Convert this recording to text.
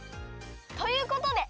ということで